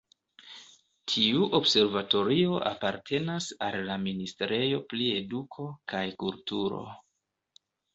Tiu observatorio apartenas al la Ministrejo pri Eduko kaj Kulturo.